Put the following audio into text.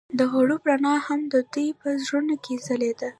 د غروب رڼا هم د دوی په زړونو کې ځلېده.